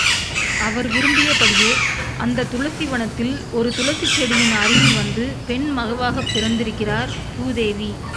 அவர் விரும்பியபடியே அந்தத் துளசி வனத்தில் ஒரு துளசிச் செடியின் அருகில் வந்து பெண் மகவாகப் பிறந்திருக்கிறார் பூதேவி.